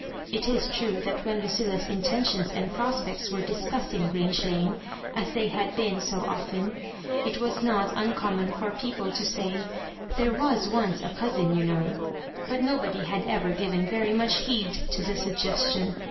It is true that when Lu clUa's intentions and prospects were discussed in Grange Lane, as they had been so often, it was not unoemmon for people to say, "There was once a cousin, you know;" but nobody had ever given very much heed to the sugges tion.